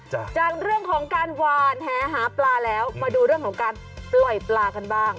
จากจากเรื่องของการหวานแหหาปลาแล้วมาดูเรื่องของการปล่อยปลากันบ้าง